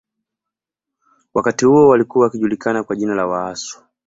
Wakati huo walikuwa wakijulikana kwa jina la Waasu